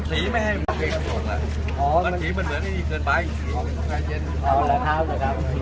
ที่ได้ไปขายคือขายกับใครเอง